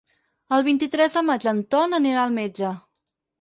El vint-i-tres de maig en Ton anirà al metge.